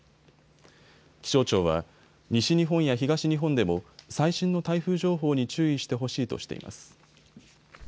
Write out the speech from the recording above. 気象庁は西日本や東日本でも最新の台風情報に注意してほしいとしています。